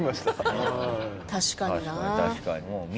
確かにな。